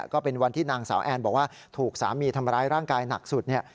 ก็เป็นวันที่นางสาวแอนบอกว่าถูกสามีทำร้ายร่างกายหนักสุดเนี่ย